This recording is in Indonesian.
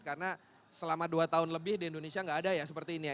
karena selama dua tahun lebih di indonesia gak ada ya seperti ini ya